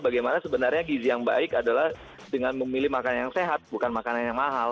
bagaimana sebenarnya gizi yang baik adalah dengan memilih makanan yang sehat bukan makanan yang mahal